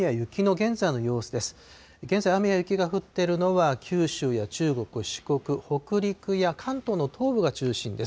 現在、雨や雪が降っているのは、九州や中国、四国、北陸や関東の東部が中心です。